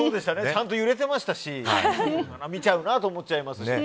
ちゃんと揺れていましたし見ちゃうなと思っちゃいますね。